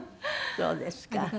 そうですか。